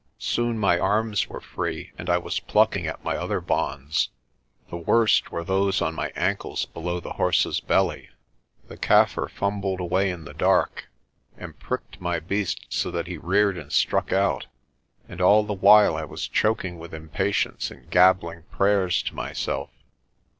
Soon my arms were free, and I was plucking at my other bonds. The worst were those on my ankles below the horse's belly. The Kaffir fumbled away in the dark, and pricked my beast so that he reared and struck out. And all the while I was choking with impatience and gabbling prayers to myself.